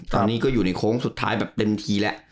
ตอนนี้ก็อยู่ในโค้งสุดท้ายแบบเต็มทีแล้ว